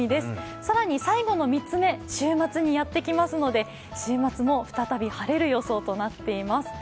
更に最後の３つ目、週末にやってきますので、週末も再び晴れる予想となっています。